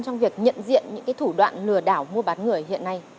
trong việc nhận diện những thủ đoạn lừa đảo mua bán người hiện nay